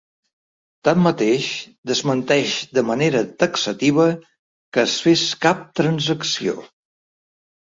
Tanmateix, desmenteix de manera taxativa que es fes cap transacció.